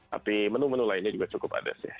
tapi menu menu lainnya juga cukup ada sih